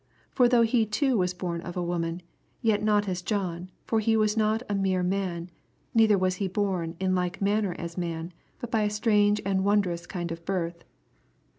For though He too was bom of a woman, yet not as John, for He was not a mere mac, neither was He born in like manner as man, but by a strange and wondrous kind of birth."